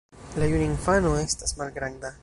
La juna infano estas malgranda.